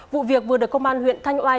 vụ việc vừa được công an huyện thanh oai